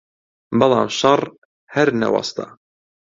بەڵام شەڕ هەر نەوەستا